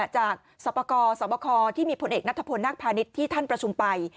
จากสรรพากรสรรพาคอร์ที่มีผลเอกนัฐพลนักพาณิชย์ที่ท่านประชุมไป